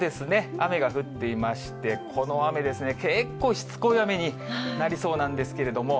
雨が降っていまして、この雨ですね、結構しつこい雨になりそうなんですけれども。